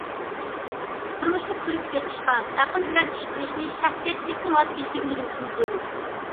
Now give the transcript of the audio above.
تۇرمۇشقا كۈلۈپ بېقىشتا ئەقىل بىلەن ئىش قىلىشنى، شەخسىيەتچىلىكتىن ۋاز كېچىشنى ئۆگىنىۋېلىشىمىز زۆرۈر.